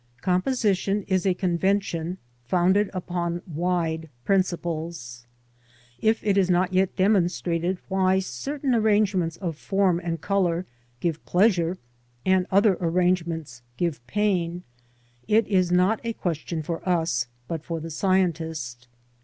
Composition is a convention founded upon wide principles. If it is not yet demonstrated why certain arrangements of form and colour give pleasure, and other arrangements give pain, it is not a question for us, but for the scientist.